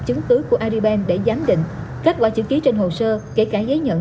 chứng cứ của aribank để giám định kết quả chữ ký trên hồ sơ kể cả giấy nhận